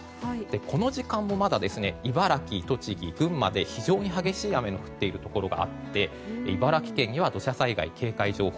この時間もまだ茨城、栃木、群馬で非常に激しい雨が降っているところがあって茨城県には土砂災害警戒情報